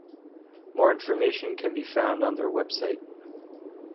More information can be found on their website.